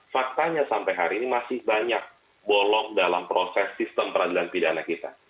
faktanya sampai hari ini masih banyak bolong dalam proses sistem peradilan pidana kita